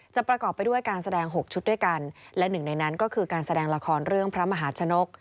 ประกอบไปด้วยการแสดง๖ชุดด้วยกันและหนึ่งในนั้นก็คือการแสดงละครเรื่องพระมหาชนก